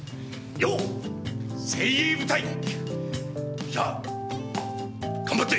よっ精鋭部隊！じゃあ頑張って！